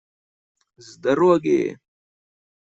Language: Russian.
С дороги!